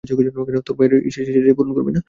তোর ভাইয়ের শেষ ইচ্ছাটি পূরন করবি না।